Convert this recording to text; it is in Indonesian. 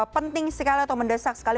penting sekali atau mendesak sekali